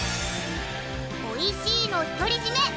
おいしいの独り占め